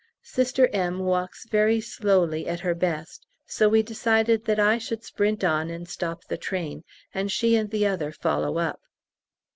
Sister M. walks very slowly at her best, so we decided that I should sprint on and stop the train, and she and the other follow up.